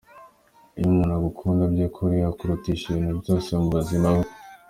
Iyo umuntu agukunda by’ukuri akurutisha ibintu byose mu buzima bwe.